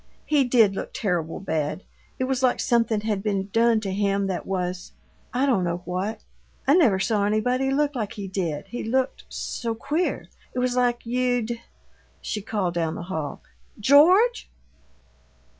"He did look terrible bad. It was like something had been done to him that was I don't know what. I never saw anybody look like he did. He looked so queer. It was like you'd " She called down the hall, "George!"